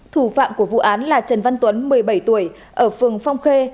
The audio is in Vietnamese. thủ phạm của vụ án là trần văn tuấn một mươi bảy tuổi ở phường phong khê